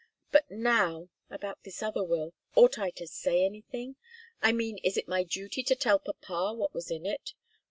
But now about this other will ought I to say anything? I mean, is it my duty to tell papa what was in it?"